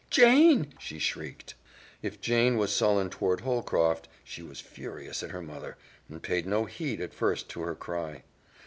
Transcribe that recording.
"Jane!" she shrieked. If Jane was sullen toward Holcroft, she was furious at her mother, and paid no heed at first to her cry.